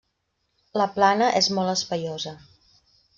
La Plana és molt espaiosa.